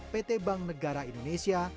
pt bank negara indonesia